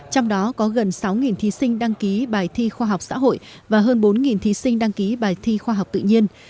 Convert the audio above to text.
trong đó có gần sáu thí sinh đăng ký bài thi khoa học xã hội và hơn bốn thí sinh đăng ký bài thi khoa học tự nhiên